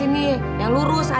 cuman berhenti wrhh